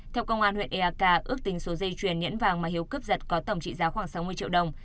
theo công an huyện eak ước tính số dây chuyền nhẫn vàng mà hiếu cướp giật có tổng trị giá khoảng sáu mươi triệu đồng